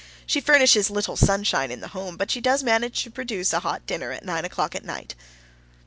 She furnishes little sunshine in the home, but she does manage to produce a hot dinner at nine o'clock at night."